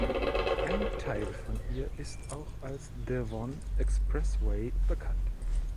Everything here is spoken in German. Ein Teil von ihr ist auch als "Devon Expressway" bekannt.